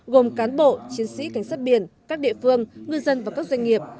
gồm cán bộ chiến sĩ cảnh sát biển các địa phương ngư dân và các doanh nghiệp